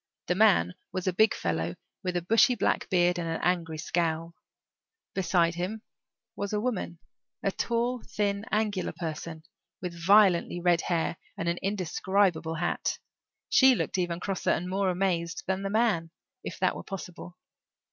The man was a big fellow with a bushy black beard and an angry scowl. Beside him was a woman a tall, thin, angular person, with violently red hair and an indescribable hat. She looked even crosser and more amazed than the man, if that were possible.